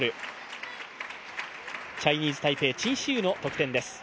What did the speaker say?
チャイニーズ・タイペイ、陳思羽の得点です。